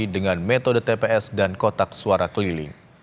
dengan metode tps dan kotak suara keliling